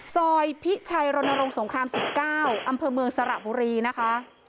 ซอยพิชัยรณรงค์สงคราม๑๙อำเภอเมืองสระบุรีนะคะ